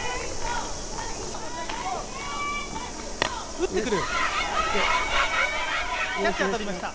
打ってくる。